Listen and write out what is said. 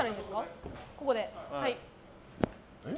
ここで。